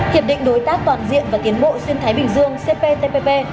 hiệp định đối tác toàn diện và tiến bộ xuyên thái bình dương cptpp